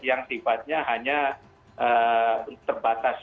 yang sifatnya hanya terbatas